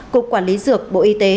cục quản lý dược bộ y tế